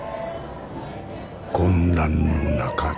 混乱の中で。